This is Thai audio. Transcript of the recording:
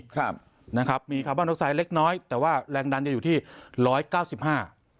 ครับนะครับมีคาร์บอนออกไซด์เล็กน้อยแต่ว่าแรงดันจะอยู่ที่ร้อยเก้าสิบห้า